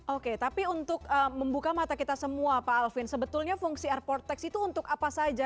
oke tapi untuk membuka mata kita semua pak alvin sebetulnya fungsi airport tax itu untuk apa saja